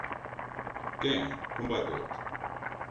¿Què, com va tot?